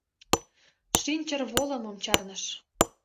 Шинчыр волымым чарныш.